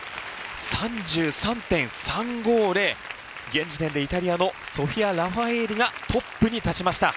現時点でイタリアのソフィア・ラファエーリがトップに立ちました。